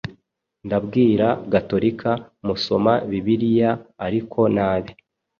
ndabwira gatorika musoma bibiriya ariko nabi